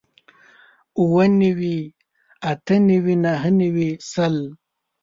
اووه نوي اتۀ نوي نهه نوي سل